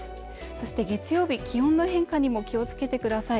そして月曜日気温の変化にも気をつけてください